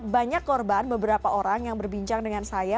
banyak korban beberapa orang yang berbincang dengan saya